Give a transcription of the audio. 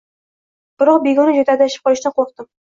biroq begona joyda adashib qolishdan qo’rqdim.